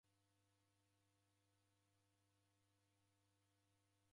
Wanighoria ningicha ngaelelwa